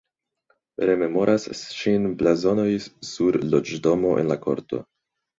Rememoras ŝin blazonoj sur loĝdomo en la korto.